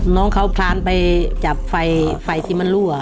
น้องเขาพลานไปจับไฟที่มันรั่ว